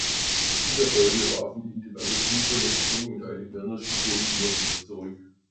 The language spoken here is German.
In der Folge warfen ihn diverse Knieverletzungen und eine Gehirnerschütterung immer wieder zurück.